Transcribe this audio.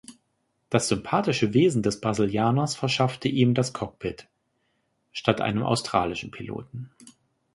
Das sympathische Wesen des Brasilianers verschaffte ihm das Cockpit, statt einem australischen Piloten.